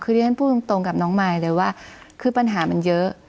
คือที่ฉันพูดตรงกับน้องมายเลยว่าคือปัญหามันเยอะ